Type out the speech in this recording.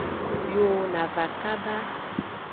Yo na va kaba.